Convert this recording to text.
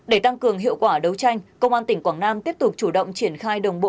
để tăng cường hiệu quả đấu tranh công an tỉnh quảng nam tiếp tục chủ động triển khai đồng bộ